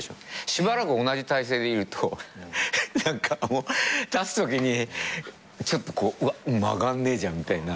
しばらく同じ体勢でいると立つときにちょっとうわっ曲がんねえじゃんみたいな。